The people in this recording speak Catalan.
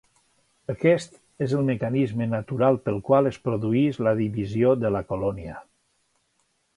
Aquest és el mecanisme natural pel qual es produeix la divisió de la colònia.